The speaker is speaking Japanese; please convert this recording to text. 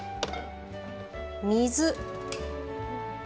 水。